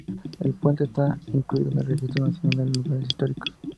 El puente está incluido en el Registro Nacional de Lugares Históricos.